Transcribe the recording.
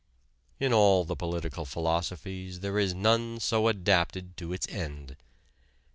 In all the political philosophies there is none so adapted to its end.